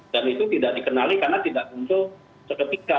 dan itu tidak dikenali karena tidak muncul seketika